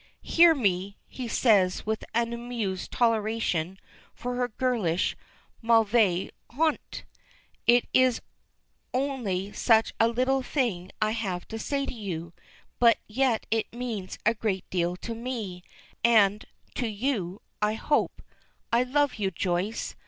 "Hear me!" he says with an amused toleration for her girlish mauvaise honte. "It is only such a little thing I have to say to you, but yet it means a great deal to me and to you, I hope. I love you, Joyce.